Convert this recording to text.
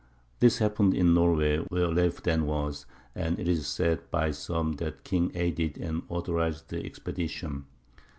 This happened in Norway, where Leif then was, and it is said by some that the king aided and authorized the expedition.